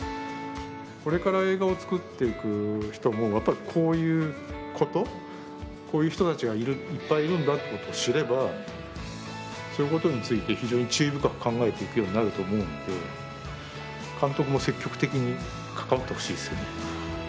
これから映画を作っていく人もこういうことこういう人たちがいっぱいいるんだということを知ればそういうことについて非常に注意深く考えていくようになると思うので監督も積極的に関わってほしいですよね。